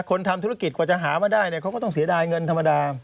ทำธุรกิจกว่าจะหามาได้เนี่ยเขาก็ต้องเสียดายเงินธรรมดา